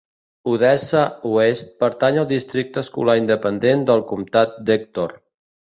Odessa oest pertany al districte escolar independent del Comtat d'Ector.